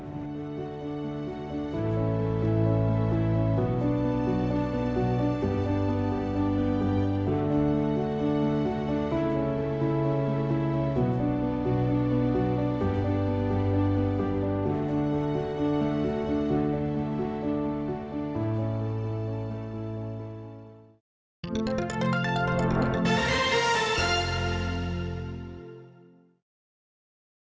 สวัสดีครับ